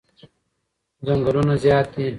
چنگلونه زیاد دی